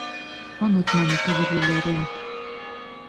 Онотманы ҡәҙерлеләрен.